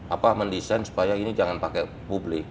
apa mendesain supaya ini jangan pakai publik